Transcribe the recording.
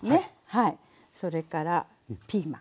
それからピーマン。